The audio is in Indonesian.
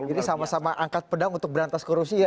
jadi sama sama angkat pedang untuk berantas ke rusia